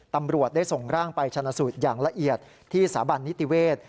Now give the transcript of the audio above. ตำรวจได้ส่งร่างไปชนะสูตรอย่างละเอียดที่สถาบันนิติเวศ